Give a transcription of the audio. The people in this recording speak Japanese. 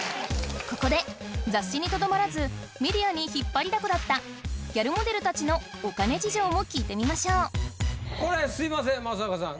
ここで雑誌にとどまらずメディアに引っ張りだこだったギャルモデル達のお金事情も聞いてみましょうすいません益若さん